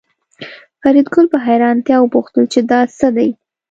فریدګل په حیرانتیا وپوښتل چې دا څه دي